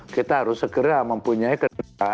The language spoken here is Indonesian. kita harus segera mempunyai kendaraan yang salah